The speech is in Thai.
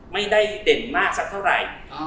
ไม่ได้เด่นมากสักเท่าไหร่